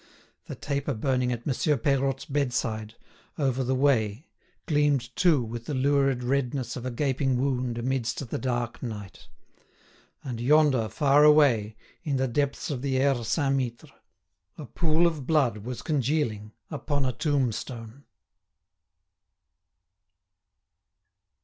The taper burning at Monsieur Peirotte's bedside, over the way, gleamed too with the lurid redness of a gaping wound amidst the dark night. And yonder, far away, in the depths of the Aire Saint Mittre, a pool of blood was congealing upon a tombstone.